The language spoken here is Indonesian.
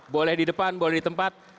boleh di depan boleh di tempat